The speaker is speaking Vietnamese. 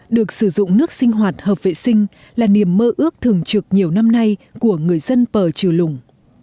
được sử dụng nước sinh hoạt hợp vệ sinh là niềm mơ ước thường trực nhiều năm nay của người dân pờ triều lùng